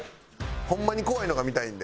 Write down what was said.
ホンマに怖いのが見たいんで。